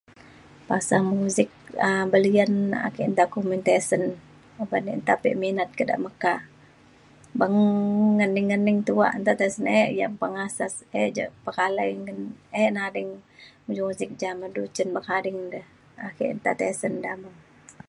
pasen musik belian ake nta kumin tesen oban ek nta pik minat ke da' meka beng ngening ngening tuak. nta tesen ek pengasas ek ja pekalai ngan ek nading musik ja me du cen bekading de ake nta tesen da.